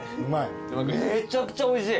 めちゃくちゃおいしい。